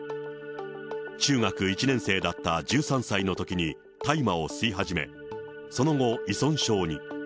中学１年生だった１３歳のときに大麻を吸い始め、その後、依存症に。